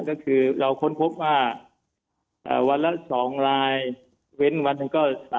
ก็คือเราค้นพบว่าวันละสองรายเว้นวันนึงก็๓รายบ้าง๔รายบ้าง